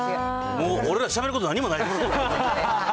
もう俺ら、しゃべること何もないですよ。